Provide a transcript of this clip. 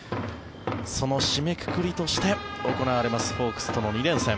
その締めくくりとして行われますホークスとの２連戦。